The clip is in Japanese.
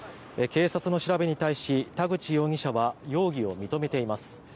警察の調べに対し、田口容疑者は容疑を認めています。